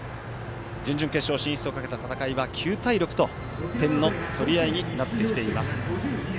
準々決勝進出をかけた戦いは９対６と点の取り合いとなってきています。